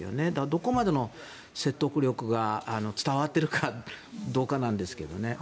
どこまでの説得力が伝わっているかどうかなんですけど。